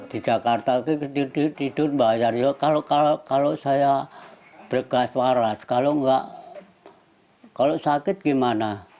di jakarta itu tidur bahaya kalau saya berkelas waras kalau sakit gimana